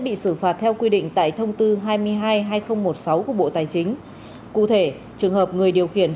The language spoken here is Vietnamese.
bị xử phạt theo quy định tại thông tư hai mươi hai hai nghìn một mươi sáu của bộ tài chính cụ thể trường hợp người điều khiển